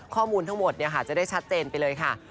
ข้อมูลทั้งหมดจะได้ชัดเจนไปเลยค่ะ